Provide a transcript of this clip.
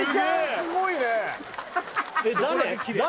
すごいね誰？